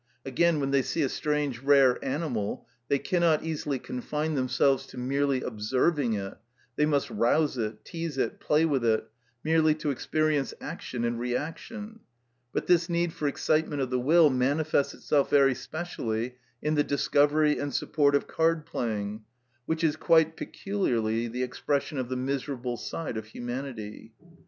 Again, when they see a strange rare animal, they cannot easily confine themselves to merely observing it; they must rouse it, tease it, play with it, merely to experience action and reaction; but this need for excitement of the will manifests itself very specially in the discovery and support of card playing, which is quite peculiarly the expression of the miserable side of humanity.